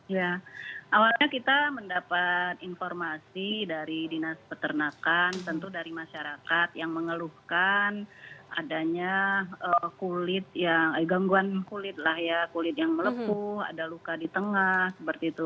ya awalnya kita mendapat informasi dari dinas peternakan tentu dari masyarakat yang mengeluhkan adanya gangguan kulit lah ya kulit yang melepuh ada luka di tengah seperti itu